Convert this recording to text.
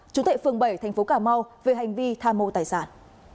chủ tệ phường bảy tp cà mau về hành vi tha mô tài sản